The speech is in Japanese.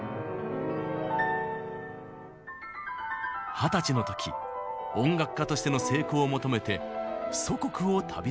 二十歳の時音楽家としての成功を求めて祖国を旅立ちます。